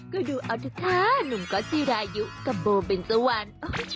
ก็ดูเอาดูค่ะหนุ่มก๊อตซีรายุกับโบเป็นสวรรค์